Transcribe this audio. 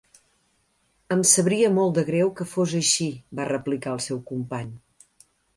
"Em sabria molt de greu que fos així", va replicar el seu company.